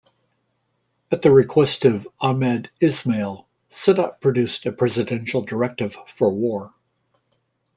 At the request of Ahmed Ismail, Sadat produced a presidential directive for war.